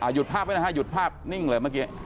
หยุดภาพไว้นะฮะหยุดภาพนิ่งเลยเมื่อกี้